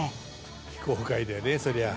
「非公開だよねそりゃあ」